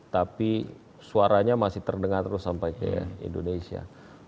tapi suaranya masih terdengar terus sampai ke indonesia